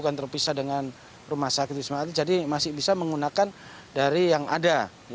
bukan terpisah dengan rumah sakit wisma atlet jadi masih bisa menggunakan dari yang ada